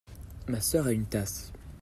Ma sœur a une tasse.